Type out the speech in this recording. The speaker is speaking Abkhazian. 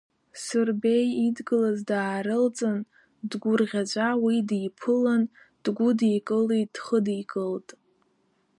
Сырбеи, идгылаз даарылҵын, дгәырӷьаҵәа уи диԥылан, дгәыдикылеит, дхыдикылеит.